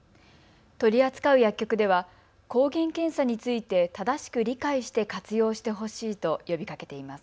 取り扱う薬局では抗原検査について正しく理解して活用してほしいと呼びかけています。